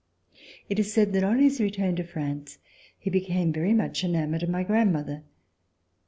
It Is said that on his return to France he became very much enamored of my grandmother.